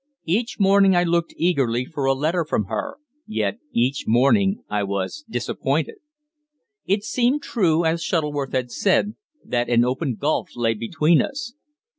Each morning I looked eagerly for a letter from her, yet each morning I was disappointed. It seemed true, as Shuttleworth had said, that an open gulf lay between us.